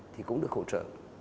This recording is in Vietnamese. thì cũng được hỗ trợ